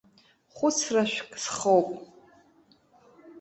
Хәыцрашәк схоуп.